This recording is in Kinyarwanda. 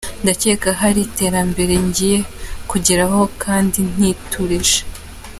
Ndakeka hari iterambere ngiye kugeraho kandi niturije.